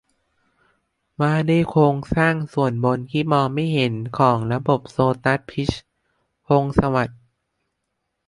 ว่าด้วยโครงสร้างส่วนบนที่มองไม่เห็นของระบบโซตัส - พิชญ์ พงษ์สวัสดิ์